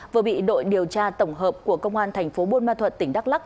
vừa bị đội điều tra tổng hợp của công an thành phố bôn ma thuận tỉnh đắk lắc